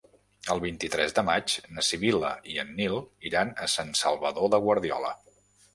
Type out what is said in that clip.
El vint-i-tres de maig na Sibil·la i en Nil iran a Sant Salvador de Guardiola.